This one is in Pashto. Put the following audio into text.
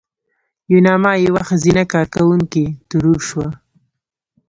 یوناما یوه ښځینه کارکوونکې ترور شوه.